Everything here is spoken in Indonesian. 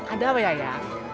ada apa ya